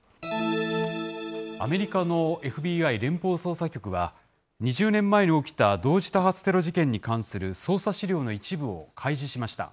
アメリカのＦＢＩ・連邦捜査局は２０年前に起きた同時多発テロ事件に関する捜査資料の一部を開示しました。